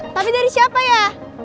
tapi dari siapa ya